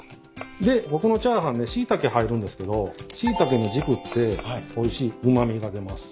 で僕のチャーハンねシイタケ入るんですけどシイタケの軸っておいしいうま味が出ます。